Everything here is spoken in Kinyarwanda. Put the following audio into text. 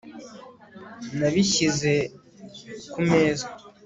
Nabishyize kumeza